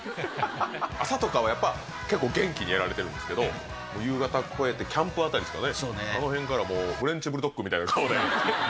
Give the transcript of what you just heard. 朝とかはやっぱり結構元気にやられてるんですけど、もう夕方越えて、キャンプあたりですかね、あのへんからフレンチブルドッグみたいな顔で。